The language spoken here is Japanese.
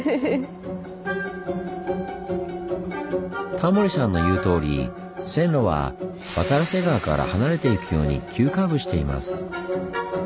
タモリさんの言うとおり線路は渡良瀬川から離れていくように急カーブしています。